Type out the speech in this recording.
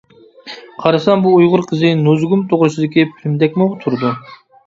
قارىسام بۇ ئۇيغۇر قىزى نۇزۇگۇم توغرىسىدىكى فىلىمدەكمۇ تۇرىدۇ.